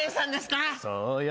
「そうよ